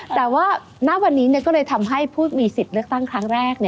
แต่ว่าณวันนี้ก็เลยทำให้ผู้มีสิทธิ์เลือกตั้งครั้งแรก